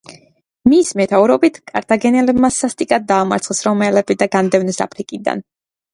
მისი მეთაურობით კართაგენელებმა სასტიკად დაამარცხეს რომაელები და განდევნეს აფრიკიდან.